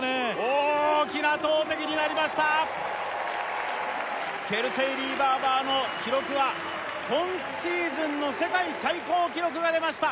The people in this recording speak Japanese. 大きな投てきになりましたケルシーリー・バーバーの記録は今シーズンの世界最高記録が出ました